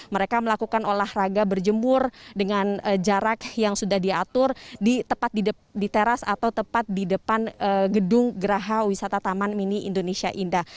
mereka melakukan olahraga berjemur dengan jarak yang sudah diatur di teras atau tepat di depan gedung geraha wisata taman mini indonesia indah